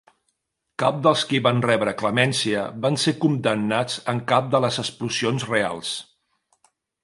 Cap dels qui van rebre clemència van ser condemnats en cap de les explosions reals.